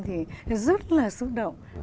thì rất là xúc động